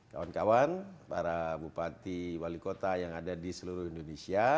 kawan kawan para bupati wali kota yang ada di seluruh indonesia